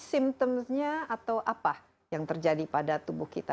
simptomnya atau apa yang terjadi pada tubuh kita